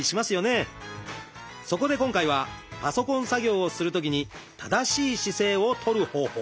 そこで今回はパソコン作業をするときに正しい姿勢を取る方法。